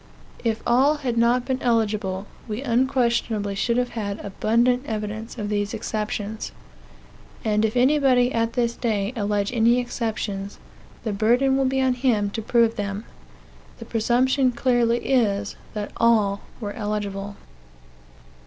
If all had not been eligible, we unquestionably should have had abundant evidence of the exceptions. And if anybody, at this day, allege any exceptions, the burden will be on him to prove them. The presumption clearly is that all were eligible.